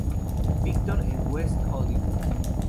Victor, en West Hollywood.